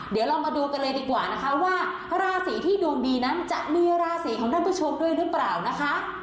เดี๋ยวเรามาดูกันเลยดีกว่านะคะว่าราศีที่ดวงดีนั้นจะมีราศีของท่านผู้ชมด้วยหรือเปล่านะคะ